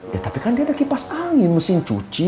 ya tapi kan dia ada kipas angin mesin cuci